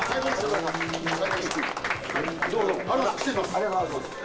ありがとうございます。